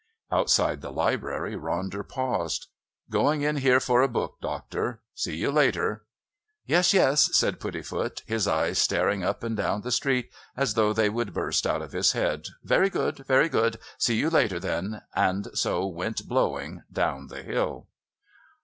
Outside the Library Ronder paused. "Going in here for a book, doctor. See you later." "Yes, yes," said Puddifoot, his eyes staring up and down the street, as though they would burst out of his head. "Very good very good. See you later then," and so went blowing down the hill.